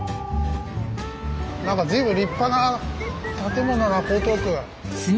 何か随分立派な建物が江東区。